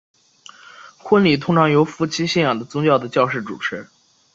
婚礼通常由夫妻信仰的宗教的教士主持。